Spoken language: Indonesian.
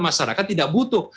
masyarakat tidak butuh